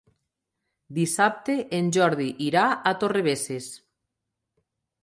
Dissabte en Jordi irà a Torrebesses.